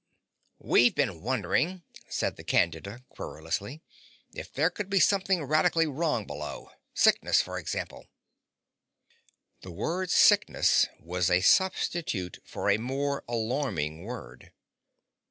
"We've been wondering," said the Candida querulously, "if there could be something radically wrong below. Sickness, for example." The word "sickness" was a substitute for a more alarming word.